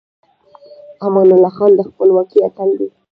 امان الله خان د خپلواکۍ اتل دی.